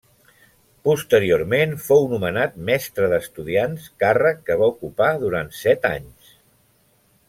Posteriorment, fou nomenat mestre d'estudiants, càrrec que va ocupar durant set anys.